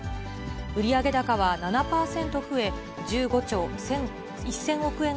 売上高は７％増え、１５兆１０００億円